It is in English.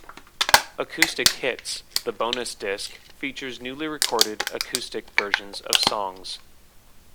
"Acoustic Hits", the bonus disc features newly recorded acoustic versions of songs.